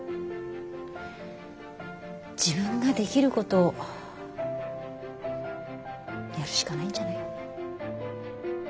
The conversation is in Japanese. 自分ができることをやるしかないんじゃない？